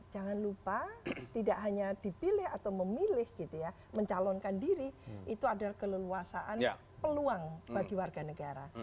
jangan lupa tidak hanya dipilih atau memilih gitu ya mencalonkan diri itu adalah keleluasaan peluang bagi warga negara